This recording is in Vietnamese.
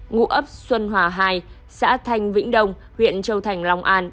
ngụ ấp xuân hòa hai xã thanh vĩnh đông huyện châu thành long an